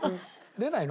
出ないの？